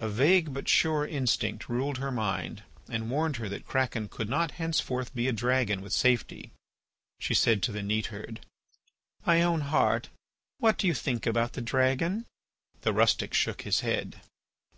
A vague but sure instinct ruled her mind and warned her that Kraken could not henceforth be a dragon with safety. She said to the neatherd: "My own heart, what do you think about the dragon?" The rustic shook his head.